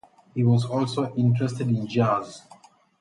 He was also interested in jazz.